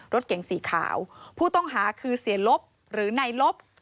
รถเก๋งสีขาวผู้ต้องหาคือเสียลบหรือในลบ